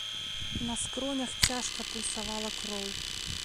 На скронях цяжка пульсавала кроў.